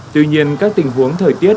tuy nhiên các tình huống thời tiết